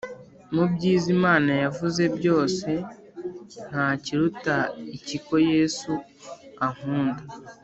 Mu byiza Imana yavuze byose ntakiruta iki ko yesu ankunda